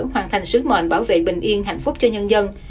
hoàn thành sứ mệnh bảo vệ bình yên hạnh phúc cho nhân dân